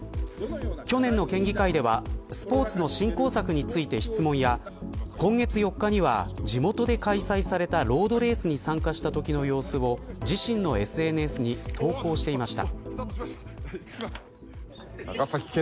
去年の県議会ではスポーツの振興策について質問や、今月４日には地元で開催されたロードレースに参加したときの様子を自身のＳＮＳに投稿していました。